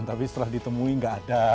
tapi setelah ditemui nggak ada